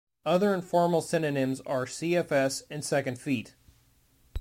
Other informal synonyms are "cfs" and "second-feet".